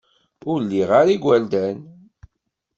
Ur liɣ ara igerdan.